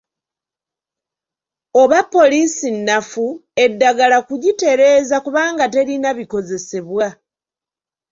Oba poliisi nnafu, eddagala kugitereeza kubanga terina bikozesebwa.